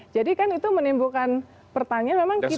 jadi kan itu menimbulkan pertanyaan memang kita ini